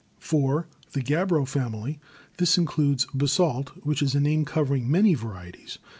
(4) The Gabbro Family. This includes basalt, which is a name covering many va rieties.